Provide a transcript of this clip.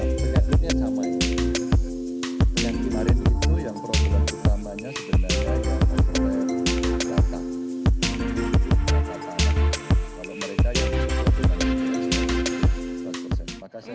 penyakitnya sama yang kemarin itu yang terutama nya sebenarnya yang